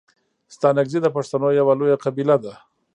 ستانگزي د پښتنو یو لويه قبیله ده.